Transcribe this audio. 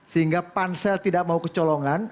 sehingga pansel tidak mau kecolongan